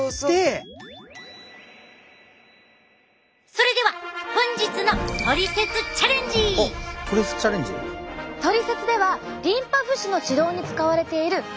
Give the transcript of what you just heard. それでは本日のおっトリセツチャレンジ？「トリセツ」ではリンパ浮腫の治療に使われているこの方法を応用！